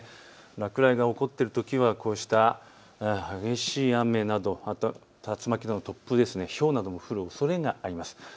落雷が起こっているときはこうした激しい雨などまた竜巻などの突風、ひょうなども降るおそれがあります。